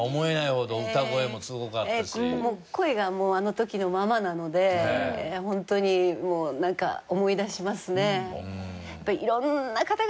もう声があの時のままなのでホントにもうなんか思い出しますね。